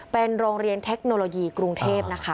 เป็นโรงเรียนเทคโนโลยีกรุงเทพนะคะ